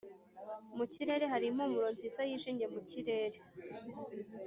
mu kirere hari impumuro nziza yijimye mu kirere,